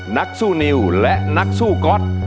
นักสู้นิวและนักสู้ก๊อต